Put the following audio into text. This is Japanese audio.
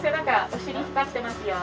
お尻光ってますよ。